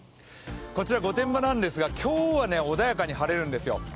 こちら御殿場なんですが、今日は穏やかに晴れるんですよ。